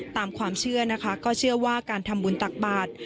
ตามความเชื่อนะคะก็เชื่อว่าการทำบุญตักบาท